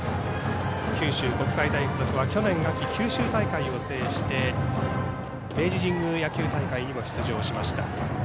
九州国際大付属は去年秋九州大会を制して明治神宮野球大会にも出場しました。